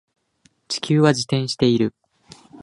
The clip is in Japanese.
地球は自転している